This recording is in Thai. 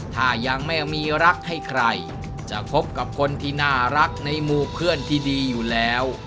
ถ้ายังไม่มีรักให้ใครจะคบกับคนที่น่ารักในหมู่เพื่อนที่ดีอยู่แล้ว